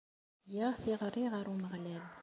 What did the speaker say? Greɣ tiɣri ɣer Umeɣlal.